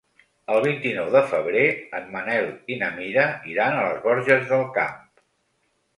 El vint-i-nou de febrer en Manel i na Mira iran a les Borges del Camp.